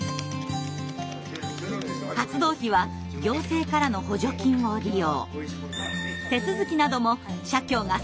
活動費は行政からの補助金を利用。